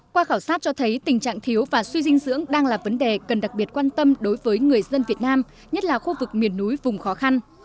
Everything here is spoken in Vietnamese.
qua khảo sát cho thấy tình trạng thiếu và suy dinh dưỡng đang là vấn đề cần đặc biệt quan tâm đối với người dân việt nam nhất là khu vực miền núi vùng khó khăn